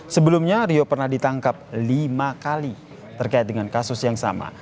sebelumnya rio pernah ditangkap lima kali terkait dengan kasus yang sama